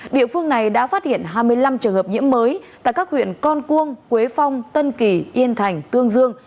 địa phương này đã phát hiện hai mươi năm trường hợp nhiễm mới tại các huyện con cuông quế phong tân kỳ yên thành tương dương